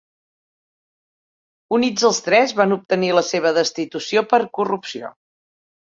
Units els tres van obtenir la seva destitució per corrupció.